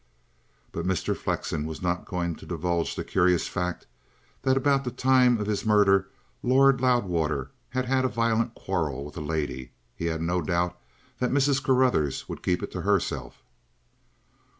But Mr. Flexen was not going to divulge the curious fact that about the time of his murder Lord Loudwater had had a violent quarrel with a lady. He had no doubt that Mrs. Carruthers would keep it to herself.